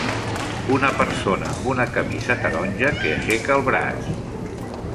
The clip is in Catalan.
Una persona amb una camisa taronja que aixeca el braç.